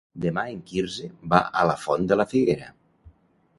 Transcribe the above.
Demà en Quirze va a la Font de la Figuera.